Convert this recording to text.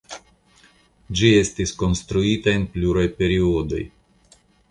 Ĝi estis konstruita en pluraj periodoj.